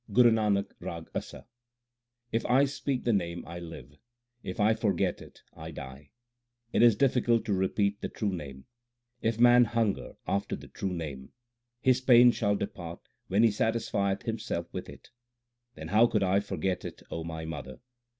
GURU NANAK, RAG ASA If I repeat the Name, I live ; if I forget it, I die ; It is difficult to repeat the true Name. If man hunger after the true Name, His pain shall depart when he satisfieth himself with it. Then how could I forget it, O my mother